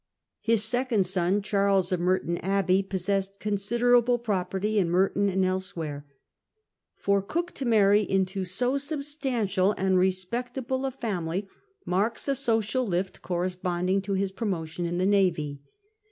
His second son Charles, of Merton Abbey, possessed consider able property in Merton and elsewhere. For Cook to marry into so substantial and respectable a family marks a social lift corresponding to his promotion in the navy.